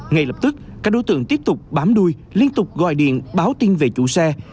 ngay lập tức các đối tượng tiếp tục bám đuôi liên tục gọi điện báo tin về chủ xe